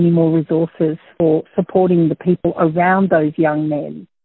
kita bisa berbicara tentang peraturan yang kuat